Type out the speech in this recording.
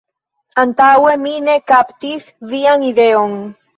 Antaŭe mi ne kaptis vian ideon.